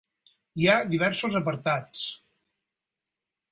Hi ha diversos apartats.